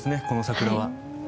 この桜は。